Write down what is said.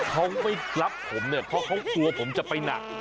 เขาไม่รับผมเนี่ยเพราะเขากลัวผมจะไปหนัก